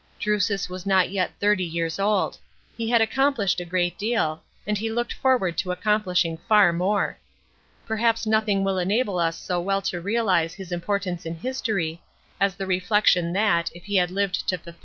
Drusus was not yet thirty years old; he had accomplished a great deal, and he looked forward to accomplishing far more. Perhaps nothing will enable us so well to realise his importance in history, as the reflection that, if he had lived to fulfil * Strassburg.